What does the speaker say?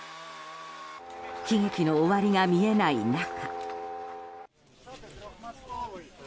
悲劇の終わりが見えない中。